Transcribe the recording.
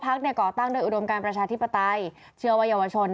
พักเนี่ยก่อตั้งโดยอุดมการประชาธิปไตยเชื้อวัยวชน